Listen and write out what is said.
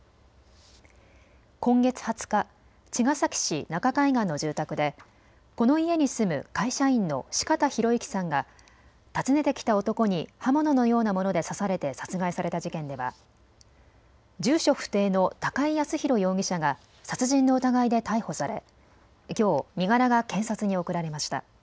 今月２０日、茅ヶ崎市中海岸の住宅でこの家に住む会社員の四方洋行さんが訪ねてきた男に刃物のようなもので刺されて殺害された事件では住所不定の高井靖弘容疑者が殺人の疑いで逮捕され、きょう身柄が検察に送られました。